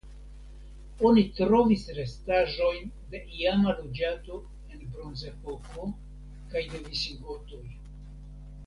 Oni trovis restaĵojn de iama loĝado en Bronzepoko kaj de visigotoj.